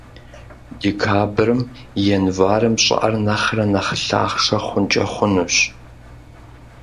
Декабрым — январым щӀыӀэр нэхърэ нэхъ лъахъшэ хъункӀэ хъунущ.